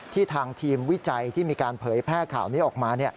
ทางทีมวิจัยที่มีการเผยแพร่ข่าวนี้ออกมา